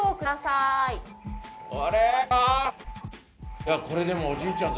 あれ？